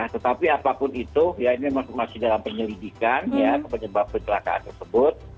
tetapi apapun itu ya ini masih dalam penyelidikan ya penyebab kecelakaan tersebut